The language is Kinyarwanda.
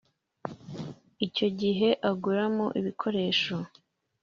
icyo gihe aguramo ibikoresho